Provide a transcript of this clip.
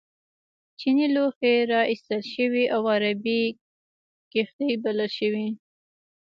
چینی لوښي را ایستل شوي او عربي کښتۍ بلل شوي.